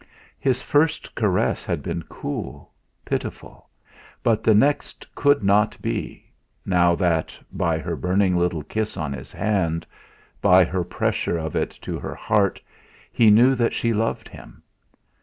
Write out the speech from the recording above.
His first caress had been cool, pitiful; but the next could not be, now that, by her burning little kiss on his hand, by her pressure of it to her heart, he knew that she loved him.